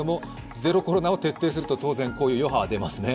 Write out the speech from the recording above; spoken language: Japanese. ゼロコロナを徹底するとこういうことは出てきますね。